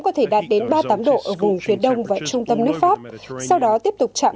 có thể đạt đến ba mươi tám độ ở vùng phía đông và trung tâm nước pháp sau đó tiếp tục chạm